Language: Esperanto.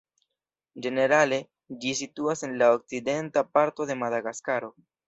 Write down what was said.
Ĝenerale, ĝi situas en la okcidenta parto de Madagaskaro.